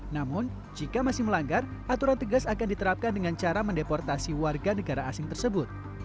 namun jika masih melanggar aturan tegas akan diterapkan dengan cara mendeportasi warga negara asing tersebut